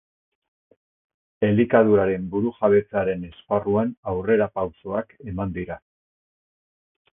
Elikaduraren burujabetzaren esparruan aurrerapausoak eman dira.